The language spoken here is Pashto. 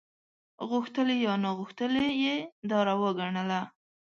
غوښتلي یا ناغوښتلي یې دا روا ګڼله.